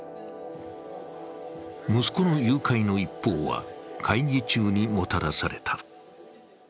息子の誘拐の一報は、会議中にもたらされた。